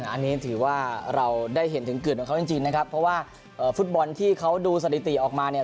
อันนี้ถือว่าเราได้เห็นถึงเกิดของเขาจริงนะครับเพราะว่าฟุตบอลที่เขาดูสถิติออกมาเนี่ย